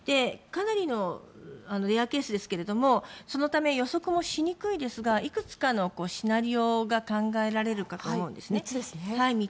かなりのレアケースですけどそのため、予測もしにくいですがいくつかのシナリオが考えられるかと思うんですね。